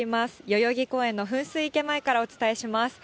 代々木公園の噴水池前からお伝えします。